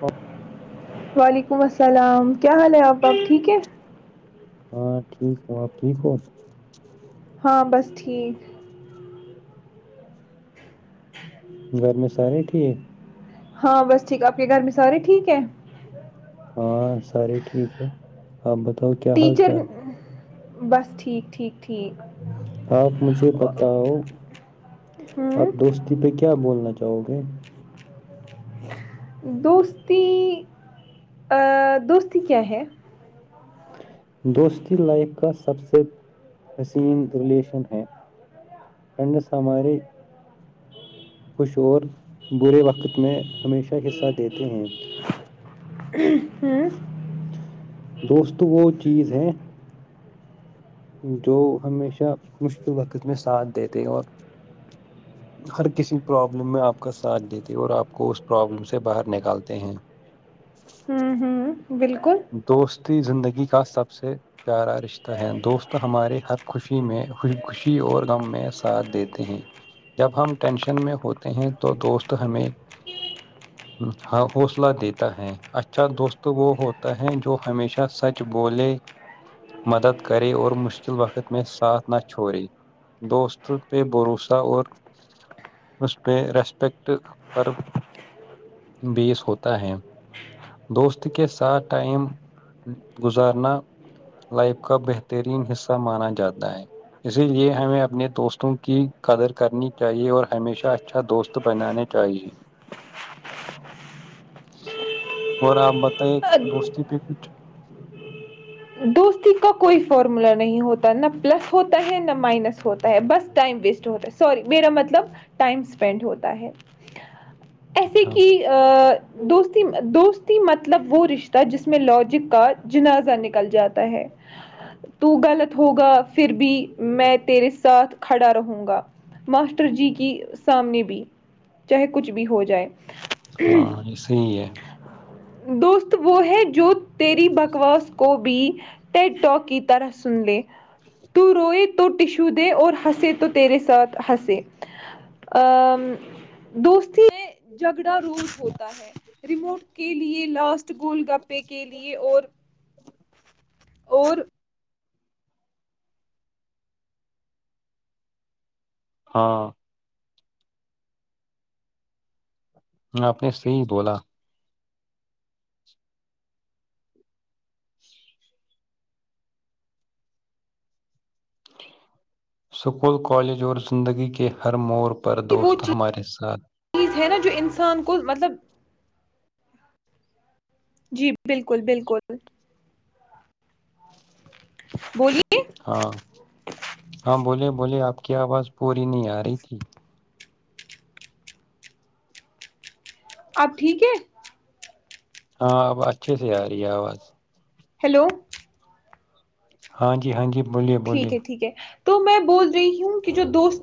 ہاں [inaudible] وعلیکم السلام کیا حال ہے آپ اب ٹھیک ہے ہاں ٹھیک ہوں آپ ٹھیک ہو [unintelligible] ہاں بس ٹھیک [unintelligible] ج [inaudible] گھر میں سارے ٹھیک ہاں بس ٹھیک آپ کے گھر میں سارے ٹھیک ہے ہاں سارے ٹھیک ٹھیک ہے آپ بتاؤ کیا حال ٹیچر چال بس ٹھیک ٹھیکٹیک آپ مجھے بتاؤ آپ ہوں دوستی پہ کیا بولنا چاہتے جاؤ گے دوستی دوستی کیا ہے دوستی لائف کا سب سے حسین ریلیشن ہے فرینڈس ہمارے خوش اور برے وقت میں ہمیشہ حصہ دیتے ہیں دوست وہ ہوں چیز ہے جو ہمیشہ مشکل وقت میں ساتھ دیتے اور ہر کسی پرابلم میں آپ کا ساتھ دیتے اور آپ کو اس پرابلم سے باہر نکالتے ہیں ہوں ہوں بالکل دوستی زندگی گی کا سب سے پیارا رشتہ ہے دوست ہمارے ہر خوشی میں خوشی اور غم میں ساتھ دیتے ہیں جب ہم ٹینشن میں ہوتے ہیں تو دوست ہمیں حوصلہ دیتا ہے اچھا دوست وہ ہو جو ہمیشہ سچ بولے مدد کرے اور مشکل وقت میں ساتھ نہ چھوڑے دوست پہ بھروسہ اور اس پہ ریسپیکٹ پر بیس ہوتا ہے دوست کے ساتھ ٹائم گزارنا لائف کا بہترین حصہ مانا جاتا ہے اسی لیے ہمیں اپنے دوستوں کی قدر کرنی چاہیے اور ہمیشہ اچھا دوست بنانے چاہیے اور آپ بتائیں دوستی پہ کچھ دوستی کا کوئی فارمولا نہیں ہوتا نا پلس ہوتا ہے نہ مائنس ہوتا ہے بس ٹائم ویسٹ ہوتا ہے سوری میرا مطلب ٹائم اسپینڈ ہوتا ہے ایسے اچھا کہ ا دوستی دوستی مطلب وہ رشتہ جس میں لاجک کا جنازہ نکل جاتا ہے تو غلط ہوگا پھر بھی میں تیرے ساتھ کھڑا رہوں گا ماسٹر جی کی سامنے بھی چاہے کچھ بھی ہو جائے ہاں یہ صح ہی ہے دوست وہ ہے جو تیری بکواس کو بھی ٹیڈ ٹاک کی طرح سن لے تو روئے تو ٹشو دے اور ہنسے تو تیرے ساتھ ہنسے ا دوستی ہے جھگڑا روز ہوتا ہے ریموٹ کے لیے لوس گول گپے کے لیئے اور اور ہاں میں آپنے سے ہی بولا سکول کالج اور زندگی کے ہر مور کو وہ چیز چیز ہے نا جو انسان کو مطلب جی بالکل بالکل بولی ہاں ہاں بولیے بولیے آپ کو کیا آواز پوری نہیں آ رہی تھی آپ ٹھیک ہے ہاں اب اچھے سے آ رہی ہے آواز ہیلو ہاں جی ہاں جی بولیے بولیے ٹھیک ہے ٹھیک ہے تو میں بول رہی ہوں کہ جو دوست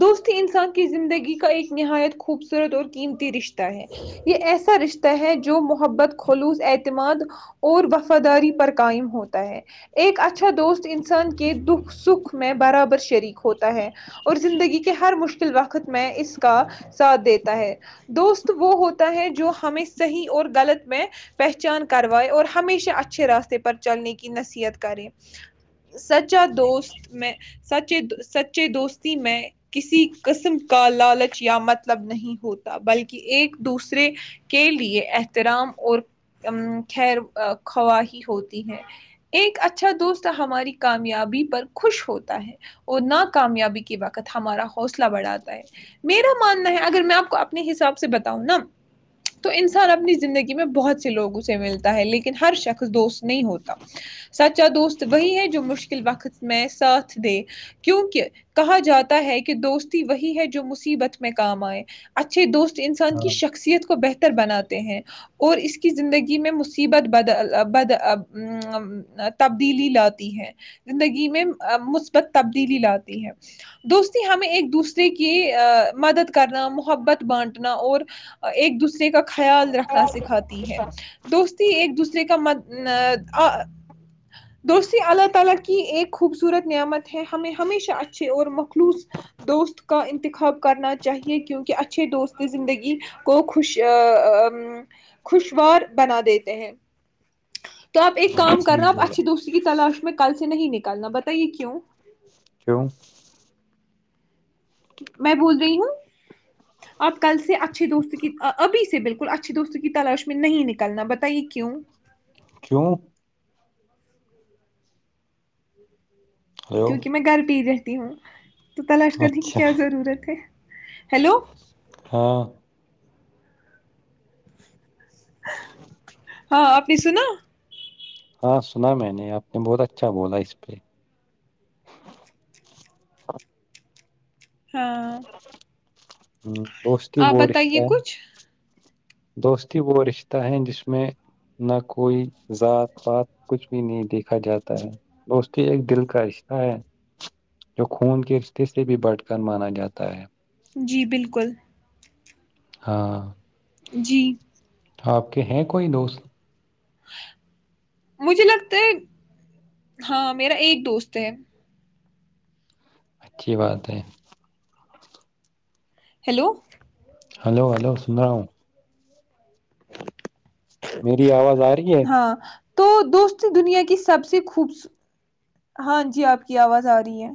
دوستی انسان کی زندگی کا ایک نہایت خوبصورت اور قیمتی رشتہ ہے یہ ایسا رشتہ ہے جو محبت خلوص اعتماد اور وفاداری پر قائم ہوتا ہے ایک اچھا دوست انسان کے دکھ سکھ میں برابر شریک ہوتا ہے اور زندگی کے ہر مشکل وقت میں اس کا ساتھ دیتا ہے دوست وہ ہوتا ہے جو ہمیں صحیح اور غلط میں پہچان کروائے اور ہمیشہ اچھے راستے پر چلنے کی نصیحت کرے سچا دوست میں سے سچے دوست ک قسم کا لالچ یا مطلب نہیں ہوتا بلکہ ایک دوسرے کے لیے احترام اور خیر خواہی ہوتی ہے ایک اچھا دوست ہماری کامیابی پر خوش ہوتا ہے اور ناکامیابی وقت ہمارا حوصلہ بڑھاتا ہے میرا ماننا ہے اگر میں آپ کو اپنے حساب سے بتاؤں نا تو انسان اپنی زندگی میں بہت سے لوگوں سے ملتا ہے لیکن ہر شخص دوست نہیں ہوتا سچ اا دوست وہی ہے جو مشکل وقت میں ساتھ دے کیونکہ کہا جاتا ہے کہ دوستی وہی ہے جو مصیبت میں کام آئے اچھے دوست انسان کی ہاں شخصیت کو بہتر بناتے ہیں اور اس کی زندگی میں مصیبت بدد تبدیلی لاتی ہے زندگی میں مثبت تبدیلی لاتی ہے دوستی ہمیں ایک دوسرے کی مدد کرنا محبت بانٹنا اور ایک دوسرے کا خیال رکھنا سکھاتی ہے دوستی ایک دوسرے کا مت [inaudible] اچھے اور مخلوص دوست کا انتخاب کرنا چاہیے کیونکہ اچھے دوست زندگی کو خوش خوشوار بنا دیتے ہیں تو آپ ایک کام کر صحیح رہے ہو آپ اچھی بولا دوست کی تلاش میں کل سے نہیں نک کلنا بتائیے کیوں کیوں میں بول رہی ہوں آپ کل سے اچھھی دوست کی ابھی سے بالکل بالکل اچھی دوستوں کی تلاش میں نہیں نکلنا بتہ یہ کیوں کیوں ہیلو کیونکہ میں گھر پ رہ تم تو تلاش کرنے کی اچھا کیا ضرورت ہے ہیلو ہاں [inaudible] ہاں آپنی سنا ہاں سنا میں نے آپ نے بہت اچھا بولا اس پہ ہاں دوست ہی ب آپ رشتہ بتائیے ہے کچھ دوستی وہ رشتہ ہیں جس میں نہ کوئی ذات پات کچھ بھی نہیں دیکھا جاتا ہے دوستی ایک دل کا رشتہ ہے جو خون کے رشتے سے بھی بٹھ کر مانا جاتا ہے جی بالکل ہاں جی آپ کے ہیں کوئی دوست مجھے لگتا ہے ہاں میرا ایک دوست ہے اچھی بات ہے ہیلو ہلو ہلو سن رہا ہوں میری آواز آ رہی ہے ہاں تو دوست دنیا کی سب سے خوب ہاں جی آپ کی آواز آ رہی ہے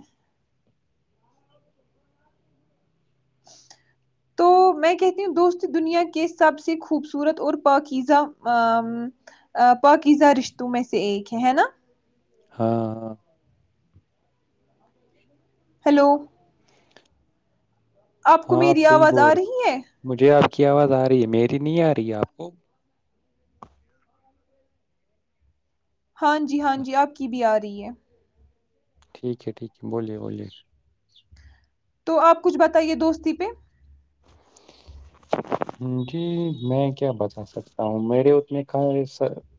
تو میں کہتی ہوں دوست دنیا کے سب سے خوبصورت اور پاکیزہ پاکیزہ رشتوں میں سے ایک ہے ہے نا ہاں ہاں ہلو آپ کو ہاں میری صحیح آواز آ بول رہے رہی ہے مجھے آپ کی آواز آ رہی ہے میری نہیں آ رہی ہے آپ کو ہاں جی ہاں جی آپ کی بھی یاد دی ہے ٹھیک ہے ٹھیک ہے بولیے بولیے تو آپ کچھ بتائیے دوستی پہ جی میں کیا بتا سکتا ہوں میرے ات میں ک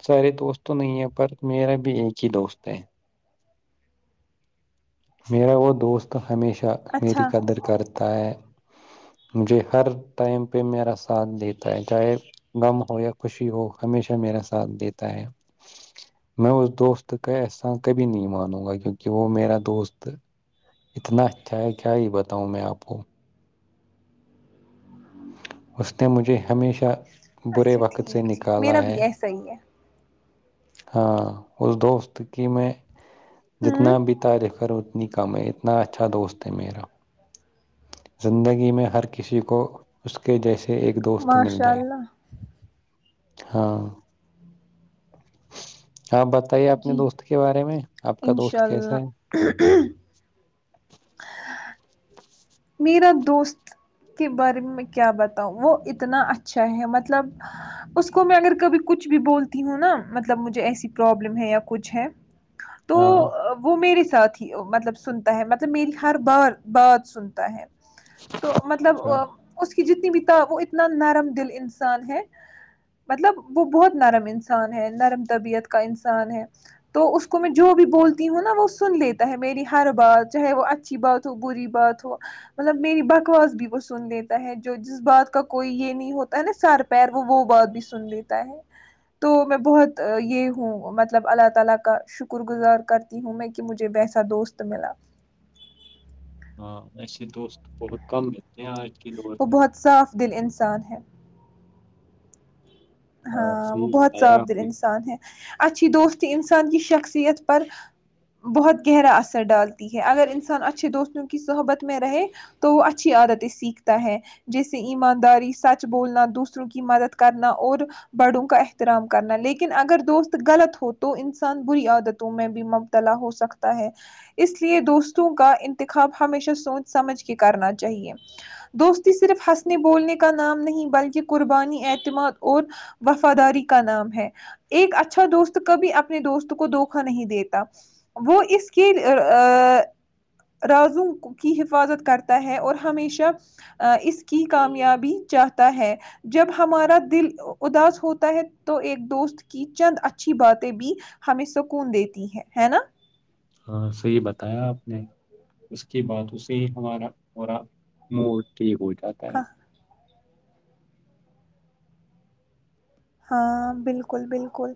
سارے دوست تو نہیں ہے پر میرا بھی ایک ہی دوست ہے میرا وہ دوست ہمیشہ کیا میری اچھا قدر کر مجھے ہر ٹائم پہ میرا ساتھ دیتا ہے چاہے غم ہو یا خوشی ہو ہمیشہ میرا ساتھ دیتا ہے میں اس دوست کا احسا کبھی نہیں مانوں گا کیونکہ وہ میرا دوست تو اتنا اچھا ہے کیا یہ بتاؤں میں آپ کو اس نے مجھے ہمیشہ برے اچھا وقت سے ٹھیک ٹھیک نکالا میرا ہے بھی ایسا ہی ہے ہاں اس دوست کی میں جتنا ہوں بھی تاریخ کام ہے اتنا اچھا دوست ہے میرا زندگی میں ہر کسی کو اس کے جیسے ایک دوست مل ماشاء جائے اللہ ہاں آپ بتائیے اپنے جی دوست کے بارے میں آپ کا انشاء دوست کیسا ہے اللہ میرا دوست کے بارے میں میں کیا بتاؤں وہ اتنا اچھا ہے مطلب اس کو میں اگر کبھی کچھ بھی بولتی ہوں نا مطلب مجھے ایسی پرابلم ہے یا کچھ ہے تو ہاں وہ میری سات ہی مطلب سنتا ہے مطلب مل ہر بار بات سنتا ت تو مطلب اچھا اس کہ جتنی بھی ت وہ اتنا نرم دل انسان ہے مطلب وہ بہت نرم انسان ہے نرم طبیعت کا انسان ہے تو اس کو میں جو بھی بولتی ہوں نا وہ سن لیتا ہے میری ہر بات چاہے وہ اچھی بات ہو بری بات ہو مطلب میربھی وہ سن لیتا ہے جو جس بات کا کوئی یہ نہیں ہوتا نا سر پیر وہ وہ بات بھی سن لیتا ہے تو میں بہت یہ ہوں مطلب اللہ تعالی کا شکر گزار کرتی ہوں میں کہ مجھے ویسا دوست ملا ہاں وسے دوست بہت کم لیتے ہیں آج کے دور وہ میں بہت صاف دل انسان ہے ہاں وہ صحیح بہت بتایا صاف دل آپ نے انسان ہے اچھی دوستی انسان کی شخصیت پر بہت گہرا اثر ڈالتی ہے اگر انسان اچھے دوستوں کی صحبت میں رہے تو وہ اچھی عادتیں سیکھتا ہے جیسے ایمانداری سچ بولنا دوسروں کی مدد کرنا اور بڑوں کا احترام کرنا لیکن اگر دوست غلط ہو تو انسان بری عادتوں میں بھی مبتلا ہو سکتا ہے اس لیے دوستوں کا انتخاب ہمیشہ سوچ سمجھ کے کرنا چاہیے دوستی صرف ہنسنے بولنے کا نام نہیں بلکہ قربانی اعتماد اور وفاداری کا نام ہے ایک اچھا دوست کبھی اپنے دوست کو دھوکا نہیں دیتا وہ اس کے رازو کی حفاظت کرتا ہے اور ہمیشہ اس کی کامیابی چاہتا ہے جب ہمارا دل اداس ہوتا ہے تو ایک دوست کی چند اچھی باتیں بھی ہمیں سکون دیتی ہے ہے نا ہاں صحی بتایا آپ نے اس کے بعد اسے ہمارا پورا موڈ ٹھیک ہو جات اک ہاں ہاں بالکل بالکل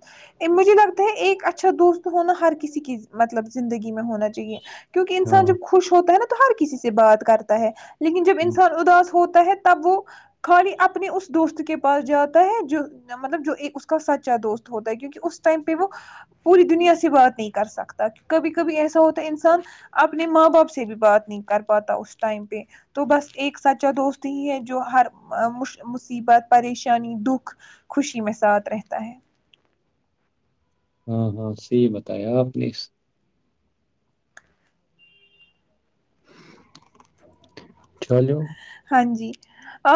مجھے لگتا ہے ایک اچھا دوست ہونا ہر کسی کی مطلب زندگی میں ہونا چاہیے کیونک ہاں انسان جب خوش ہوتا ہے نا تو ہر کسی سے بات کرتا ہے لیکن جب انسان اداس ہوتا ہے تب وہ خالی اپنے اس دوست کے پاس جاتا ہے جو مطلب جو ایک اس کا سچا دوست ہوتا ہے کیونکہ اس ٹائم پہ وہ پوری دنیا سے بات نہیں کر سکتا کبھی کبھی ایسا ہوتا ہے انسان اپنے ماں باپ سے بھی بات نہیں کر پاتا اس ٹائم پہ تو بس ایک سچا دوست ہی ہے جو ہر مصیبت پریشانی دکھ خوشی میں ساتھ رہتا ہے ہاں ہاں صی بتایا آپ نے اس چلو ہاں جی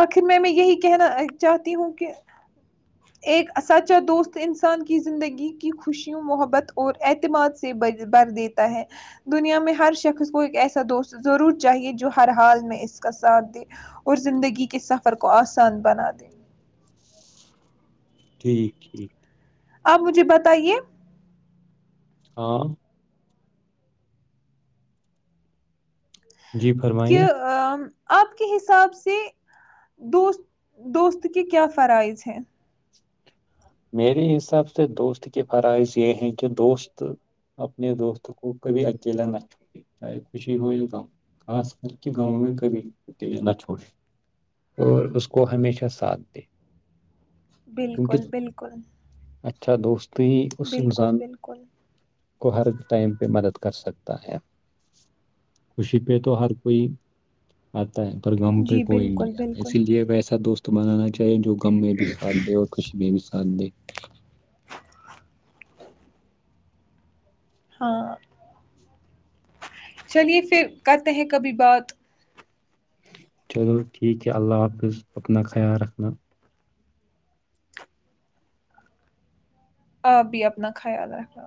آخر میں میں یہی کہنا چاہتی ہوں کہ ایک سچا دوست انسان کی زندگی کی خوشیوں محبت اور اعتماد سے بر دیتا ہے دنیا میں ہر شخص کو ایک ایسا دوست ضرور چاہیے جو ہر حال میں اس کا ساتھ دیں اور زندگی کے سفر کو آسان بنا دیں ٹھیک ٹھیک ٹھیک آپ مجھے بتائیے ہاں جی فرمائیے کہ آپ کے حساب سے دوست دوست کے کیا فرائض ہیں میرے حساب سے دوست کے فرائض یہ ہے کہ دوست اپنے دوست کو کبھی اکیلا نہ چھوڑے چاہے خوشی ہو گاؤں خاص کر کے گاؤں میں کبھی اکیلا نہ چھوڑے اور اس کو ہمیشہ ساتھ د بالکل بالکل کرن اچھا دوست تو اس انسان بالکل کو ہر ٹائم پہ مدد کر سکتا ہے خوشی پہ تو ہر کوئی پر گم پہ جی کوئی بالکل نہیں آتا بالکل اسی لیے ایسا دوست تو بنانا چاہیے جو کم میں بھی سادے اور خشی بھی ساد تندی ہاں چلیے پھر کرتے ہیں کبھی بات چلو ٹھیک ہے اللہ حافظ اپنا خیال رکھنا آپ بھی اپنا خیال رکھنا